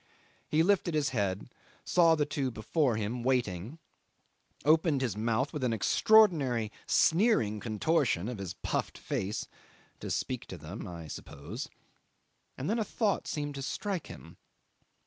He lifted his head, saw the two before him waiting, opened his mouth with an extraordinary, sneering contortion of his puffed face to speak to them, I suppose and then a thought seemed to strike him.